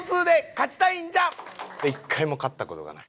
１回も勝った事がない。